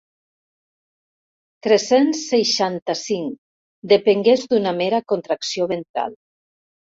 Tres-cents seixanta-cinc depengués d'una mera contracció ventral.